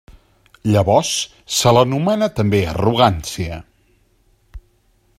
Llavors se l'anomena també arrogància.